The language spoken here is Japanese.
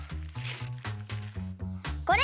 これ！